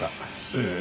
ええ。